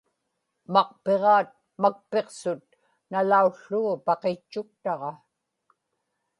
maqpiġaat makpiqsut nalaułługu paqitchuktaġa